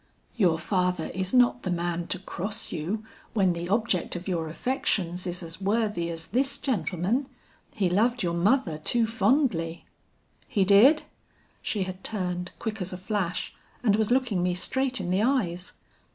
"'Your father is not the man to cross you when the object of your affections is as worthy as this gentleman. He loved your mother too fondly.' "'He did?' She had turned quick as a flash and was looking me straight in the eyes.